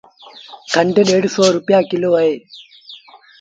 کنڍ ڏيڍ سو رپيآ ڪلو اهي۔